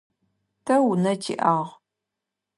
Тэ унэ тиӏагъ.